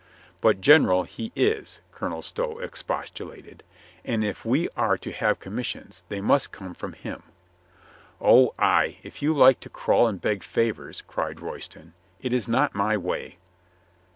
"But general he is," Colonel Stow expostulated. "And if we are to have commissions, they must come from him." "Oh, ay, if you like to crawl and beg favors," cried Royston. "It is not my way."